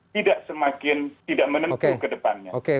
tidak semakin tidak menentu kedepannya